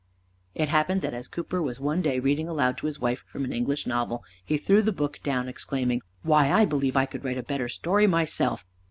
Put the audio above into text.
It happened that as Cooper was one day reading aloud to his wife from an English novel he threw the book down, exclaiming, "Why, I believe I could write a better story myself!"